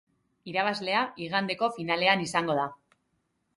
Irabazlea igandeko finalean izango da.